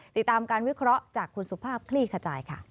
ติดตามการวิเคราะห์จากคุณสุภาพคลี่ขจายค่ะ